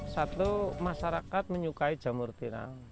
satu masyarakat menyukai jamur tiram